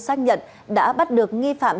xác nhận đã bắt được nghi phạm